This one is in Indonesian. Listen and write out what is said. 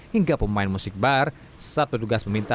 hingga pemain musik bar saat petugas meminta